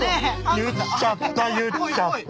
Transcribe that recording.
言っちゃった言っちゃった。